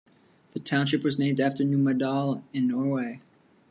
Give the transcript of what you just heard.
The township was named after Numedal, in Norway.